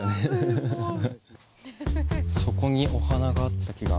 そこにお花があった気が。